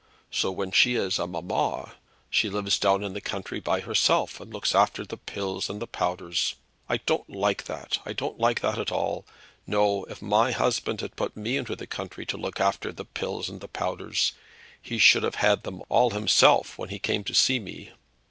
So when she is a mamma, she lives down in the country by herself, and looks after de pills and de powders. I don't like that. I don't like that at all. No; if my husband had put me into the country to look after de pills and de powders, he should have had them all, all himself, when he came to see me."